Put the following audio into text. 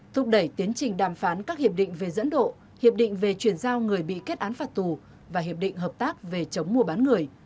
thúc đẩy tiến trình đàm phán các hiệp định về dẫn độ hiệp định về chuyển giao người bị kết án phạt tù và hiệp định hợp tác về chống mua bán người